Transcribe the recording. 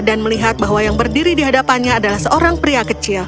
melihat bahwa yang berdiri di hadapannya adalah seorang pria kecil